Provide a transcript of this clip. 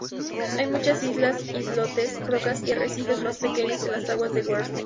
Hay muchas islas, islotes, rocas y arrecifes más pequeñas en las aguas de Guernsey.